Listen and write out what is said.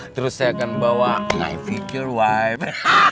terus saya akan bawa my future wife